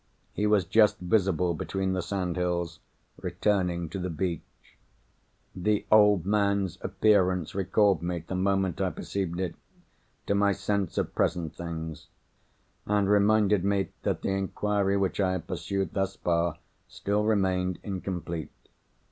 He was just visible between the sandhills, returning to the beach. The old man's appearance recalled me, the moment I perceived it, to my sense of present things, and reminded me that the inquiry which I had pursued thus far still remained incomplete.